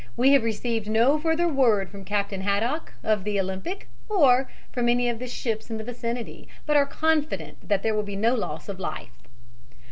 We have received no further word from Captain Haddock, of the Olympic, or from any of the ships in the vicinity, but are confident that there will be no loss of life."